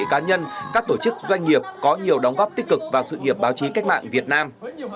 các đơn vị cá nhân các tổ chức doanh nghiệp có nhiều đóng góp tích cực vào sự nghiệp báo chí cách mạng việt nam